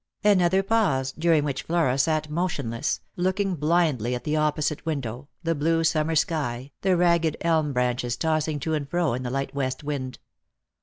Another pause, during which Flora sat motionless, looking blindly at the opposite window, the blue summer sky, the ragged elm branches tossing to and fro in the light west wind.